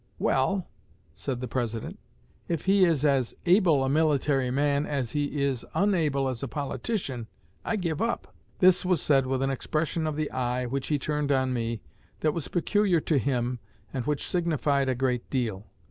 'Well,' said the President, 'if he is as able a military man as he is unable as a politician, I give up.' This was said with an expression of the eye, which he turned on me, that was peculiar to him, and which signified a great deal.